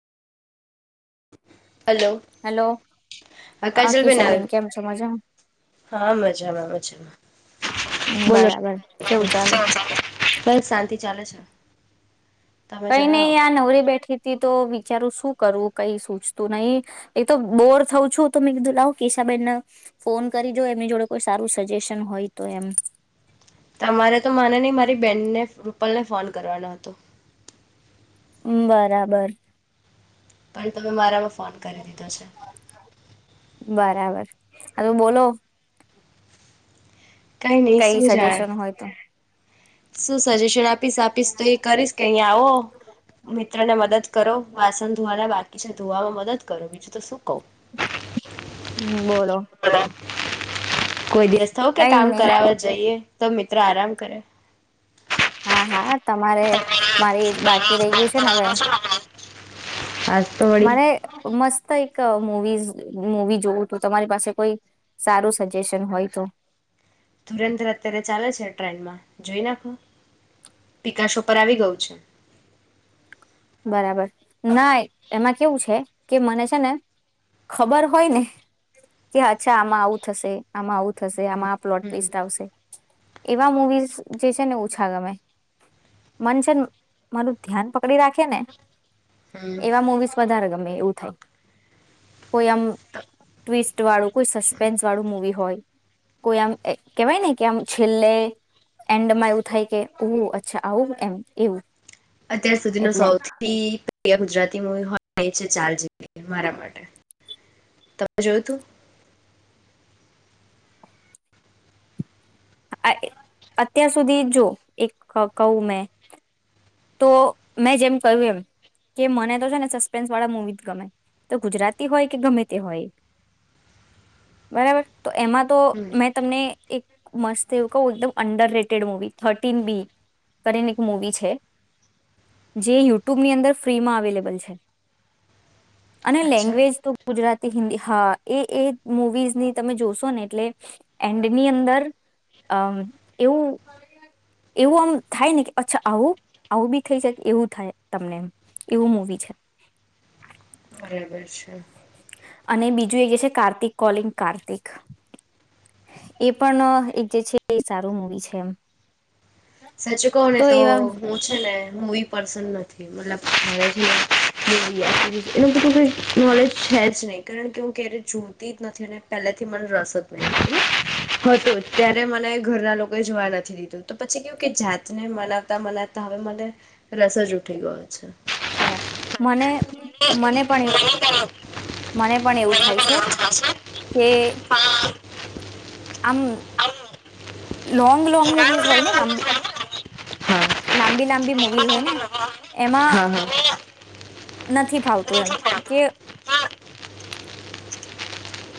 Hello hello હા કાજલ બેેન કેશાબેન કેમ છો મજામાં હા મજામાં મજામાં હમ બોલો બરાબર કેવું ચાલે બસ શાંતિ ચાલે છે તમે કઈ ને જણાવો આ નવરી બેઠી હતી તો વિચારું શું કરવું કઈ સૂજતું નહી એ તો બોર થઉ છું તોં મેં કીધું લાવ કીશાબેન ફોન કરી જો એમની જોડે કોઈ સારું સજેશન હોય તો એમ તમારે તો માને નહીં મારી બેનને રૂપલને ફોન કરવાનો હતો બરાબર પણ તમે મારામાં ફોન કરી દીધો છે બરાબર હા બોલો કઈ નઈ શું જાડ સજેશન હોય તો શું સજેશન આપ આપીસ આપીશ તો એ કરીશ કે અહીયા આવો મિત્ર ને મદદ કરો વાસણ ધોવાલા બાકી છે ધોવામાં મદદ કરો બીજું તો સુું કવ? હમ બોલો. કોઈ દિવસ થવું કે કઈ કામ નહી કરાવવા જઈએ. તો મિત્ર આરામ કરે હા હા. તમારે મારી બાકી રહી ગયું છે ને બે આજ તો વળી મારે મસ્ત. મુવી મુવી જોવું તો તમારી પાસે કોઈ સારું સજેશન હોય તો. ધુરેન્દ્ર અત્યારે ચાલે છે ટ્રેનમાં જોઈ નાખો પિકાસો પર આવી ગયું છે. બરાબર ના એમાં કેવું છે કે મને છે ને ખબર હોય ને કે અચ્છા આમાં આવું થશે આમાં આવું થશે આમાં આ પ્લોટ હમ વેસ્ટ આવશે. એવા મુવીઝ જે છે ને ઓછા ગમે મન છે મારું ધ્યાન પકડી રાખે કેને હમ એવા મૂવીસ વધારે ગમે. એવું થાય કોઈ આમ ટ વાળું કોઈ સસ્પેન્સ વાળું મુવી હોય. કોઈ આમ કેવાય ને કે આમ છેલ્લે એન્ડમાં એવું થાય કે ઉ અચ્છા આવું એમ એવું. અત્યાર સુધી ન એટલે સૌથી પ્રિય ગુજરાત હોય છે ચ મારા માટે તમે જોયું તું. અત્યાર સુધી જો એક કહું મેં તો મેં જેમ કહ્યું એમ કે મને તો છે ને સસ્પેન્સ વાળા મુવી ગમે તો ગુજરાતી હોય કે ગમે તે હોય બરાબર તો એમાં તો હમ મેં તમને એક મસ્ત એવું ક એકદમ underrated movie thirteen B કરીને એક મવી છે જે યુટ્યુબની અંદર ફ્રીમાં અવેલેબલ છે. અને અચ્છા લેંગ્વેજ તો ગુજરાતી હિન્દી હા એ એ મુવીઝની તમે જોશો ને એટલે એન્ડની અંદર અ એવું એવું આમ થાય ને કે અચ્છા આવું આવું બી થઈ જકે એવું થાય તમને એવું મવી છે. બરાબર છે અને બીજું એ જે છે કાર્તિક કોલિંગ કાર્તિક એ પણ એક જે છે એ સારું મૂવી છે એમ. સાચું કહ ને તો હું છે ને હું બસ, મને નોલેજ છે જ નહી કારણ કે હું ક્યારે જોતી જ નથી અને પહેલેથી મને રસ જ નહી હતો ત્યારે મને ઘરના લોકોએ જોવા નથી દીધું તો પછી કે જાતને મનાવતા મનાવતા હવે મને રસ જ ઉઠી ગયો છે. બરા મને મને પણ એવું મનંદ કરણ મને પણ એવું થાય છે. કે પણ આમ આમ લો રામ મુવીઝ હોય રામ ને નો લંબી હોય ને, હા લાંબી લાંબી બેંગડી મુવીઝ હોય બેંગડી ને એમાં હા હા. નથી ફાવતું એમ નથી કરતો. કે હા,